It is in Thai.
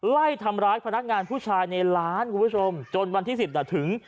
ไล่ทำร้ายพนักงานผู้ชายในร้านคุณผู้ชมจนวันที่สิบน่ะถึง